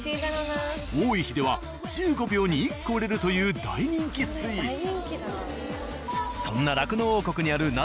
多い日では１５秒に１個売れるという大人気スイーツ。